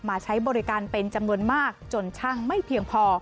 ใช้บริการเป็นจำนวนมากจนช่างไม่เพียงพอ